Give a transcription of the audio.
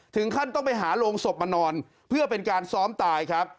ถึงขั้นต้องไปหาโรงศพมานอนเพื่อเป็นการซ้อมตายครับ